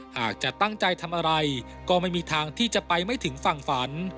หากจะตั้งใจทำอะไรก็ไม่มีทางที่จะไปไม่ถึงฝั่งฝัน